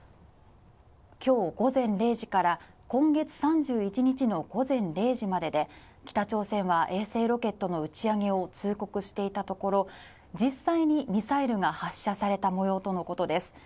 今日午前０時から今月３１日の午前０時までで北朝鮮は衛星ロケットの打ち上げを通告していたところ、実際にミサイルが発射された模様とのことです